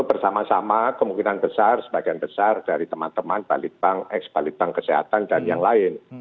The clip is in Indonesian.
bersama sama kemungkinan besar sebagian besar dari teman teman balitbank ex balitbank kesehatan dan yang lain